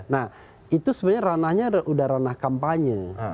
nah itu sebenarnya ranahnya udah ranah kampanye